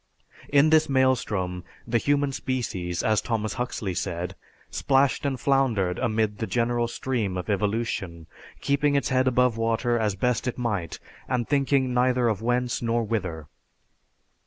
In this maelstrom, the human species, as Thomas Huxley said 'plashed and floundered amid the general stream of evolution, keeping its head above water as best it might, and thinking neither of whence nor whither.'